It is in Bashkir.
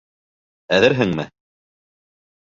Әҙерһеңме?